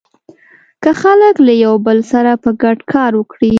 که خلک له يو بل سره په ګډه کار وکړي.